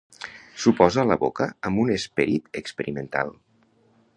S'ho posa a la boca amb un esperit experimental.